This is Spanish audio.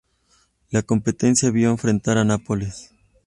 La competencia vio enfrentar a Nápoles.